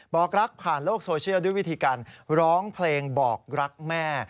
บอกรักผ่านโลกโซเชียลด้วยวิธีการร้องเพลงบอกรักแม่